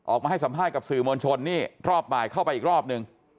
ออกมาให้สัมภาษณ์กับสื่อมวลชนนี่รอบบ่ายเข้าไปอีกรอบนึง